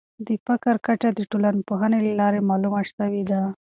د فقر کچه د ټولنپوهني له لارې معلومه سوې ده.